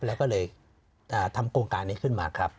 แล้วก็เลยทำโครงการนี้ขึ้นมาครับ